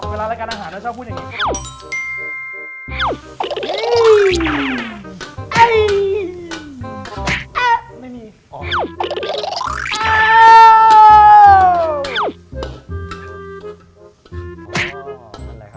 เวลาระการอาหารแล้วชอบพูดอย่างงี้